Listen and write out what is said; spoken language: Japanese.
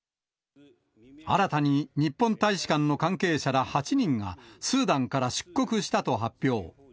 新たに日本大使館の関係者ら８人が、スーダンから出国したと発表。